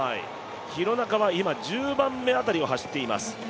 廣中は今、１０番目辺りを走っています。